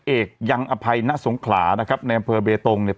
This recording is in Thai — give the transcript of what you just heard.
เอกยังอภัยณสงขลานะครับในอำเภอเบตงเนี่ย